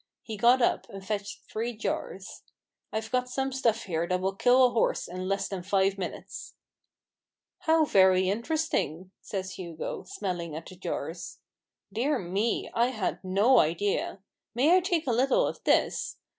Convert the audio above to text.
He got up, and fetched three jars. "I've got some stuff here that will kill a horse in less than five minutes." " How very interesting !" says Hugo, smelling at the jars. " Dear me ! I had no idea. May I take a little of this